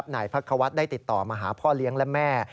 นายพักควัฒน์ได้ติดต่อมาหาพ่อเลี้ยงและแม่